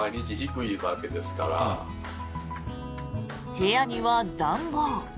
部屋には暖房。